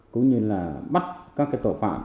cũng như là bắt các tội phạm